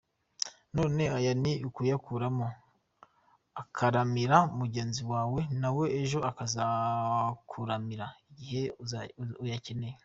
None aya ni ukuyakuramo akaramira mugenzi wawe nawe ejo akazakuramira igihe uyakeneye.